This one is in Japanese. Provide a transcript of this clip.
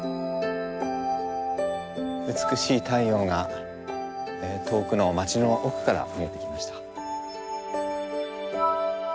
美しい太陽が遠くの街の奥から見えてきました。